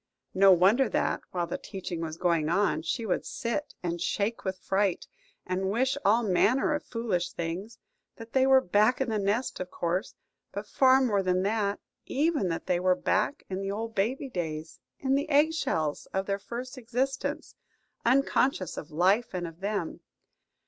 No wonder that, while the teaching was going on, she would sit and shake with fright, and wish all manner of foolish things: that they were back in the nest, of course; but far more than that–even that they were back in the old baby days again, in the egg shells of their first existence, unconscious of life and of them.